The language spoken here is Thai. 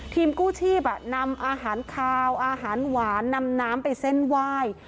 ทีมกู้ชีพอ่ะนำอาหารขาวอาหารหวานนำน้ำน้ำไปเส้นไหว้